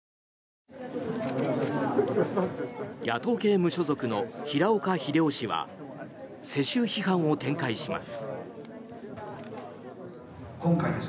野党系無所属の平岡秀夫氏は世襲批判を展開します。